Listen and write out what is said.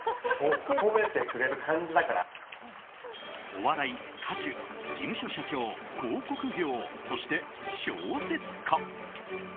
お笑い、歌手、事務所社長広告業、そして小説家。